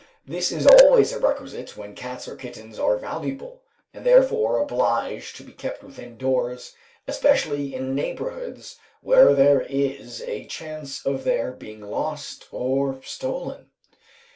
This is always a requisite when cats or kittens are valuable, and therefore obliged to be kept within doors, especially in neighbourhoods where there is a chance of their being lost or stolen.